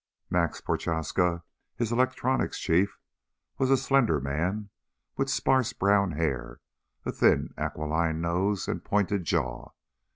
Max Prochaska, his electronics chief, was a slender man with sparse brown hair, a thin acquiline nose and pointed jaw.